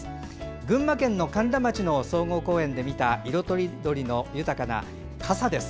群馬県甘楽町の総合公園で見た色とりどりの傘です。